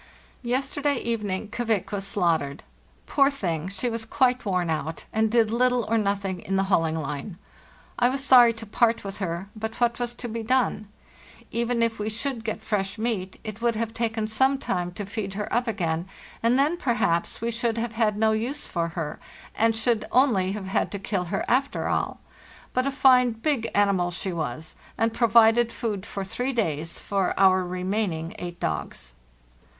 "Yesterday evening 'Kvik' was slaughtered. Poor thing, she was quite worn out, and did little or nothing in the hauling line. I was sorry to part with her, but what was to be done? Even if we should get fresh meat, it would have taken some time to feed her up again, and then, perhaps, we should have had no use for her, and should only have had to kill her, after all. Buta fine big animal she was, and provided food for three days for our remaining eight dogs.